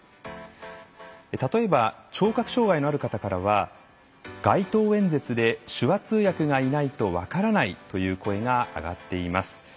たとえば、聴覚障害のある方からの声では街頭演説で手話通訳がいないと分からないという声があがっています。